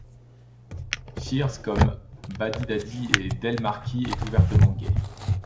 Shears, comme Babbydaddy et Del Marquis, est ouvertement gay.